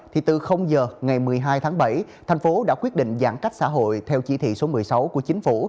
thì từ giờ ngày một mươi hai tháng bảy thành phố đã quyết định giãn cách xã hội theo chỉ thị số một mươi sáu của chính phủ